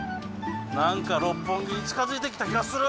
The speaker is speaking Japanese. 何か六本木に近づいてきた気がする！